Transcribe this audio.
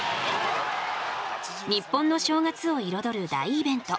日本の正月を彩る大イベント